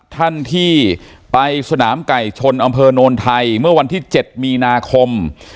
ท่านที่ไปสนามไก่ชนอำเภอโนนไทยเมื่อวันที่๗มีนาคม